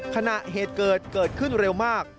เหตุเกิดเกิดขึ้นเร็วมาก